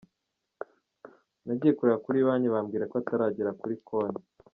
Nagiye kureba kuri banki, bambwira ko ataragera kuri konti.